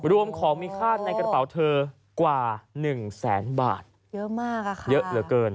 รวมของมีค่าในกระเป๋าเธอกว่าหนึ่งแสนบาทเยอะมากอะค่ะเยอะเหลือเกิน